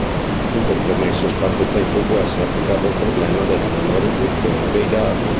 Un compromesso spazio-tempo può essere applicato al problema della memorizzazione dei dati.